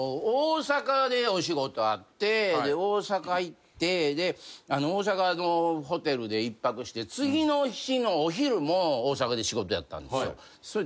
大阪でお仕事あって大阪行って大阪のホテルで一泊して次の日のお昼も大阪で仕事やったんですよ。